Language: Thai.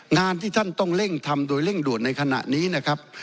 งานที่ท่านต้องเร่งทำโดยเร่งด่วนในขณะนี้นะครับ